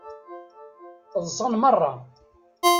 Ḍṣan meṛṛa.